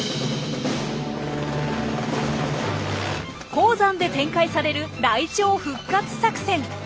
高山で展開されるライチョウ復活作戦！